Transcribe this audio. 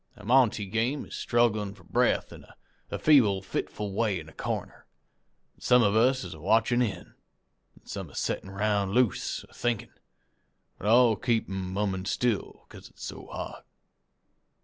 A monte game is strugglin' for breath in a feeble, fitful way in a corner, an' some of us is a watch'in'; an' some a settin' 'round loose a thinkin'; but all keepin mum an' still, 'cause it's so hot.